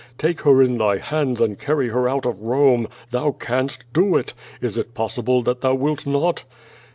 Take her in Thy hands and carry her out of Rome! Thou canst do it! Is it possible that Thou wilt not?"